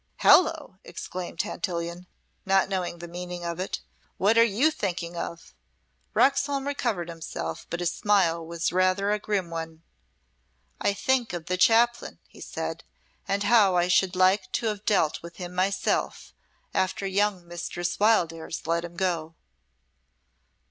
"Hello!" exclaimed Tantillion, not knowing the meaning of it. "What are you thinking of?" Roxholm recovered himself, but his smile was rather a grim one. "I think of the Chaplain," he said, "and how I should like to have dealt with him myself after young Mistress Wildairs let him go."